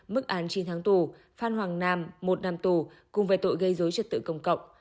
mức án chín tháng tù phan hoàng nam một năm tù cùng về tội gây dối trật tự công cộng